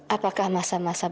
apakah masa masa berikutnya